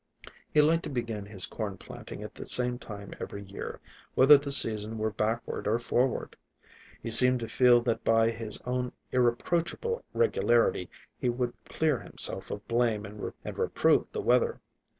He liked to begin his corn planting at the same time every year, whether the season were backward or forward. He seemed to feel that by his own irreproachable regularity he would clear himself of blame and reprove the weather.